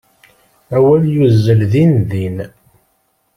Awal yuzzel din din.